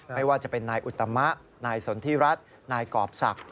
ไม่ว่าจะเป็นนายอุตมะนายสนทิรัฐนายกรอบศักดิ์